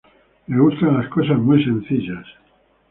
Le gustan las cosas muy sencillas.